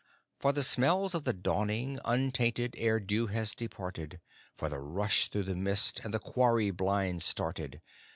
For the smells of the dawning, untainted, ere dew has departed! For the rush through the mist, and the quarry blind started!